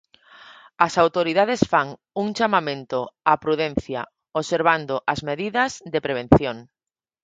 As autoridades fan un chamamento á prudencia, observando as medidas de prevención.